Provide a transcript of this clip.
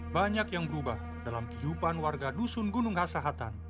banyak yang berubah dalam kehidupan warga dusun gunung hasahatan